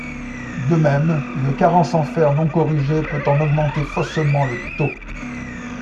De même, une carence en fer non corrigée peut en augmenter faussement le taux.